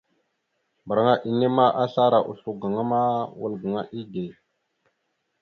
Mbarŋa enne ma, aslara oslo gaŋa ma, wal gaŋa ide.